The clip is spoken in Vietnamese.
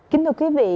kính thưa quý vị